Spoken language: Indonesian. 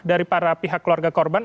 dari para pihak keluarga korban